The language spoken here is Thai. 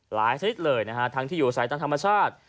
หลายชนิดเลยนะฮะทั้งที่อยู่ใส่ด้านธรรมชาติ